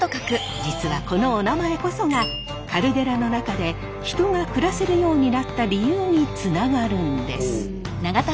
実はこのおなまえこそがカルデラの中で人が暮らせるようになった理由につながるんです。